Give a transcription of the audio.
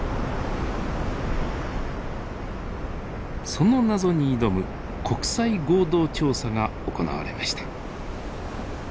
その謎に挑む国際合同調査が行われました。